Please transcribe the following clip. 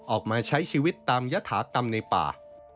ออกมาใช้ชีวิตตามยฐากรรมในป่า